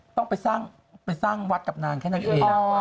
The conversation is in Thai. ต้องไปสร้างวัดกับนางแค่นั้นเอง